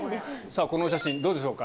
このお写真どうでしょうか？